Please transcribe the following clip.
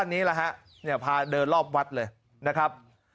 นักภาคเพื่อลอบวัดนะครับ